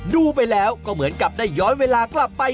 ดูไปแล้วก็เหมือนกับได้ย้อนเวลากลับไป